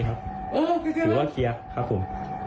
หรือว่าเกียรติครับผม